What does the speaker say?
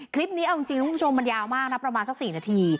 คลิปนี้เอาจริงคุณผู้ชมมันยาวมากนะประมาณสัก๔นาที